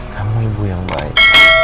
kamu ibu yang baik